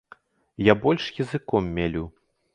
Я больш языком мялю.